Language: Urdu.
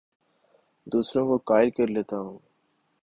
دوسروں کو قائل کر لیتا ہوں